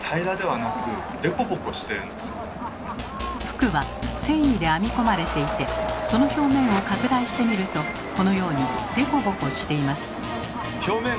服は繊維で編み込まれていてその表面を拡大してみるとこのようにデコボコしています。